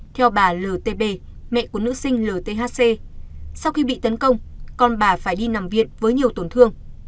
theo bà l t b mẹ của nữ sinh l t h c sau khi bị tấn công con bà phải đi nằm viện với nhiều tổn thương